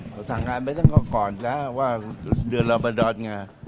อาทิตย์สังงานไปตั้งแต่ก่อนนะว่าเดือนเรามาดอดไง